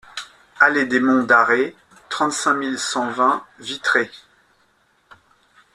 Allée des Monts d'Arrée, trente-cinq mille cinq cents Vitré